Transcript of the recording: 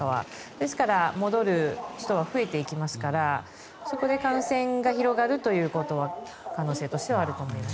ですから、戻る人は増えていきますからそこで感染が広がるということは可能性としてはあると思います。